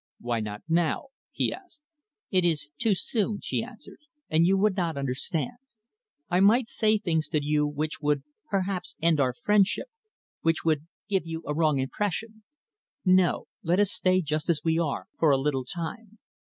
"Why not now?" he asked. "It is too soon," she answered, "and you would not understand. I might say things to you which would perhaps end our friendship, which would give you a wrong impression. No, let us stay just as we are for a little time."